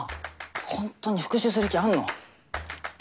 ほんとに復讐する気あんの？